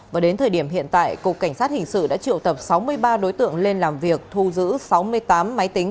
và đến thời điểm hiện tại cục cảnh sát hình sự đã triệu tập sáu mươi ba đối tượng lên làm việc thu giữ sáu mươi tám máy tính